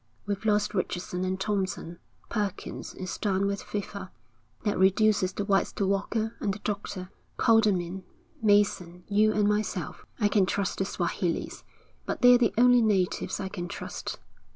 We've lost Richardson and Thompson. Perkins is down with fever. That reduces the whites to Walker, and the doctor, Condamine, Mason, you and myself. I can trust the Swahilis, but they're the only natives I can trust.